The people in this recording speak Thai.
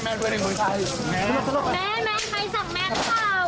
เป็นแผนใจตำรวจจริง